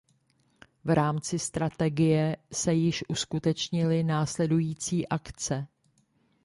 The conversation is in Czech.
V rámci strategie se již uskutečnily následující akce.